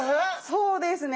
そうですね。